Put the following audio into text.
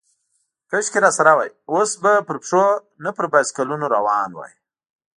کاشکې راسره وای، اوس به پر پښو، نه پر بایسکلونو روان وای.